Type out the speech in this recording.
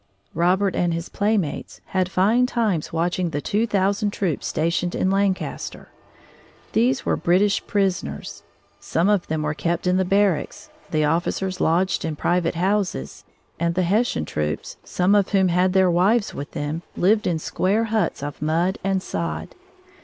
Robert and his playmates had fine times watching the two thousand troops stationed in Lancaster. These were British prisoners. Some of them were kept in the barracks, the officers lodged in private houses, and the Hessian troops (some of whom had their wives with them) lived in square huts of mud and sod.